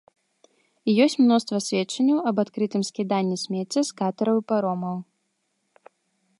Ёсць мноства сведчанняў аб адкрытым скіданні смецця з катэраў і паромаў.